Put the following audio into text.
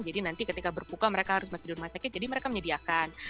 nanti ketika berbuka mereka harus masih di rumah sakit jadi mereka menyediakan